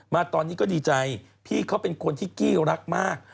มาตอนนี้ก็ดีใจพี่เขาเป็นคนที่กี้รักมาก